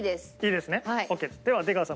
では出川さん